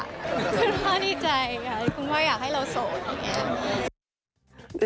คุณพ่อดีใจค่ะคุณพ่ออยากให้เราโสดอย่างนี้